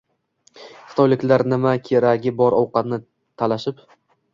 Xitoyliklar Nima keragi bor ovqatni talashib...